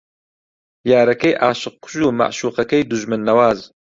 یارەکەی عاشق کوژ و مەعشووقەکەی دوژمن نەواز